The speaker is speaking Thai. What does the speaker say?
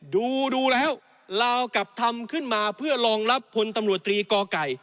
ดูแล้วลาวกลับทำขึ้นมาเพื่อรองรับพลตำรวจตรีกอไก่